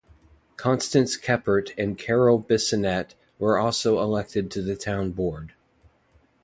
Constance Kepert and Carol Bissonette were also elected to the town board.